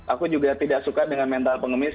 aku juga tidak suka dengan mental pengemis